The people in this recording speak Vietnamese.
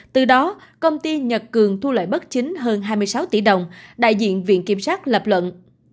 từ đó công ty nhật cường thu lợi bất chính hơn hai mươi sáu tỷ đồng đại diện viện kiểm sát lập luận